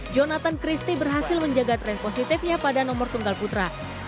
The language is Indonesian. jonathan christie berhasil menjaga tren positifnya pada nomor tunggal putra